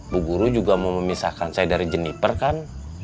bu guru juga mau memisahkan saya dari jeniper kan